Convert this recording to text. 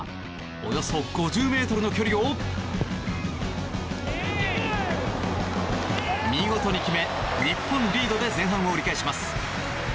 およそ５０ｍの距離を見事に決め日本リードで前半を折り返します。